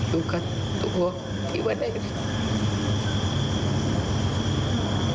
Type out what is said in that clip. อยู่ใกล้ละทุกเหตุ